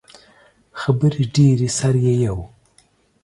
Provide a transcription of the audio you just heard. خبرې ډیرې سر ئې یؤ